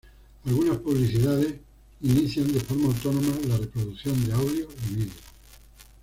Algunas publicidades inician de forma autónoma la reproducción de audio y vídeo.